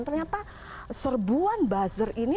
ternyata serbuan buzzer ini